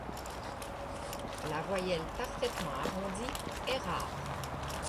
La voyelle parfaitement arrondie est rare.